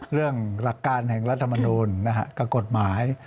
เรื่องหลักการแห่งรัฐมนต์ก็กฎหมาย